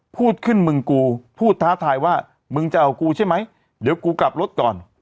พูดขึ้นมึงกูพูดท้าทายว่ามึงจะเอากูใช่ไหมเดี๋ยวกูกลับรถก่อน